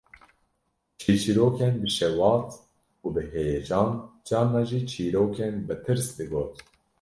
Çîrçîrokên bi şewat û bi heyecan, carna jî çîrokên bi tirs digot